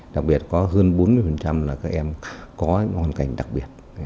đặc biệt có hơn bốn mươi là các em có hoàn cảnh đặc biệt